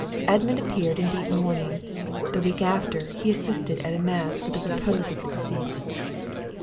Edmund appeared in deep mourning; the week after, he assisted at a mass for the repose of the deceased.